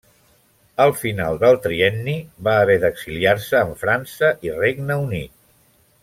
Al final del Trienni, va haver d'exiliar-se en França i Regne Unit.